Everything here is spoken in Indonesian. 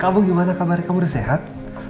kamu gimana kabar kamu udah sehat